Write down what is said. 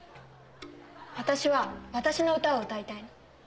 私は私の歌を歌いたいの。